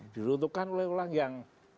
diruntuhkan oleh orang yang